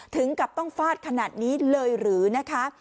ถึงกับต้องฟาดขนาดนี้เลยหรือนะคะ